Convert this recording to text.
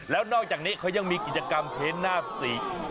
แล้วนอกจากนี้เขายังมีกิจกรรมเทนนาบสี